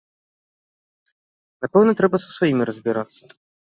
Напэўна, трэба са сваімі разбірацца.